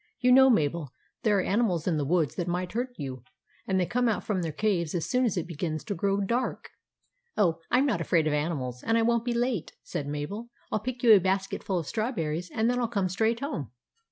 You know, Mabel, there are animals in the woods that might hurt you ; and they come out from their caves as soon as it begins to grow dark." THE GREEN LIZARD 3 " Oh, I 'm not afraid of animals !/' said Mabel ;" and I won't be late. I '11 pick you a basketful of strawberries and then I '11 come straight home."